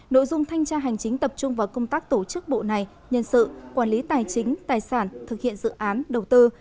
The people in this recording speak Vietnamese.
nội dung thanh tra hành chính tập trung vào công tác tổ chức bộ này nhân sự quản lý tài chính tài sản thực hiện dự án đầu tư